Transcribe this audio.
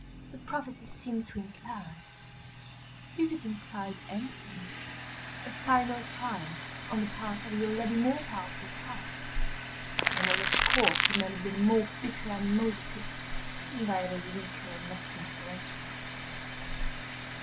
The prophecy seemed to imply—if it implied anything—a final triumph on the part of the already more powerful house; and was of course remembered with the more bitter animosity by the weaker and less influential.